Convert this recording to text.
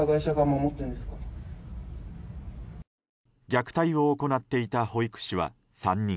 虐待を行っていた保育士は３人。